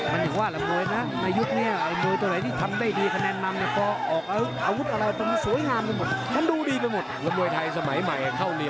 มันอย่างว่าลำเงินนะในยุคเนี้ยลำเงินตัวไหนที่ทำได้ดี